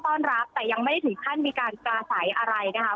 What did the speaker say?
๒๒๐ต้อนรับแต่ยังไม่ถือขั้นมีการกระส่ายอะไรนะคะ